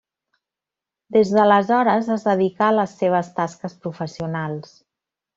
Des d'aleshores es dedicà a les seves tasques professionals.